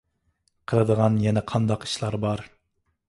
قىلىدىغان يەنە قانداق ئىشلار بار؟